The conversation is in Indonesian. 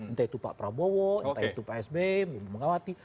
entah itu pak prabowo entah itu pak sbm ibu megawati